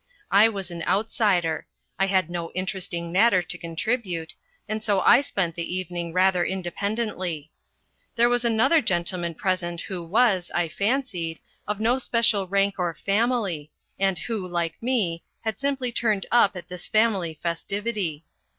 I was an outsider; I had no interesting matter to contribute, and so I spent the evening rather independently. There was another gentleman present who was, I fancied, of no special rank or family, and who, like me, had simply turned up at this family festivity.